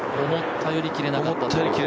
思ったより切れなかったですね。